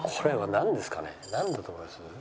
なんだと思います？